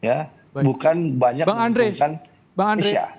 ya bukan banyak yang dituntunkan indonesia